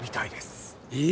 え？